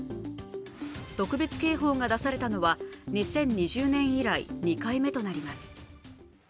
特別警報が出されたのは２０２０年以来２回目となります。